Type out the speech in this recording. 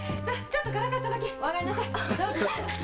ちょっとからかっただけ。